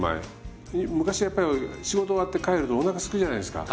昔やっぱり仕事終わって帰るとおなかすくじゃないですか。